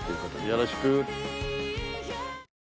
よろしく。